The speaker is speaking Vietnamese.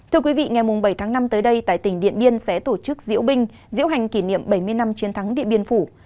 thưa quý vị ngày bảy tháng năm tới đây tại tỉnh điện biên sẽ tổ chức diễu binh diễu hành kỷ niệm bảy mươi năm chiến thắng điện biên phủ